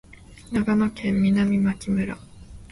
長野県南牧村